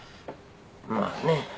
まあね。